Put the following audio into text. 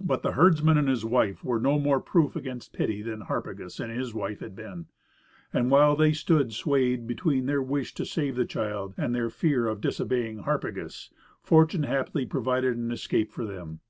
But the herdsman and his wife were no more proof against pity than Harpagus and his wife had been, and while they stood swayed between their wish to save the child and their fear of disobeying Harpagus, fortune happily provided an escape for them.